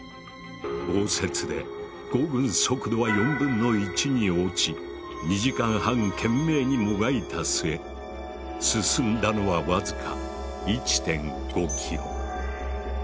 豪雪で行軍速度は４分の１に落ち２時間半懸命にもがいた末進んだのはわずか１．５ｋｍ。